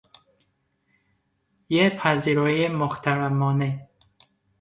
یک پذیرائی محترمانه